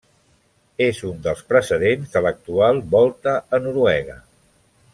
És un dels precedents de l'actual Volta a Noruega.